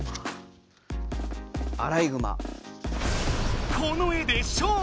アライグマ。